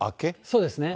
そうですね。